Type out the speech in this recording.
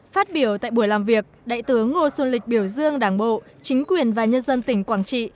phát biểu tại buổi làm việc đại tướng ngô xuân lịch biểu dương đảng bộ chính quyền và nhân dân tỉnh quảng trị